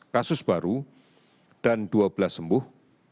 satu ratus dua belas kasus baru dan dua belas sembuh